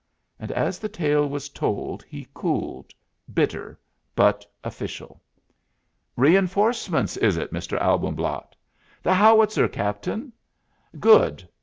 And as the tale was told he cooled, bitter, but official. "Reinforcements is it, Mr. Albumblatt?" "The howitzer, Captain." "Good.